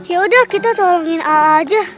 yaudah kita tolongin aja